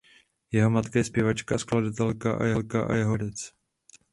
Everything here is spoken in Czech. Jeho matka je zpěvačka a skladatelka a jeho otec je herec.